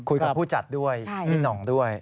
คุยกับผู้จัดด้วยพี่หน่องด้วย